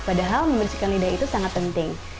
padahal membersihkan lidah itu sangat penting